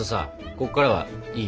ここからはいい？